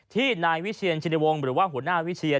ที่นายวิเชียนชินวงศ์หรือว่าหัวหน้าวิเชียน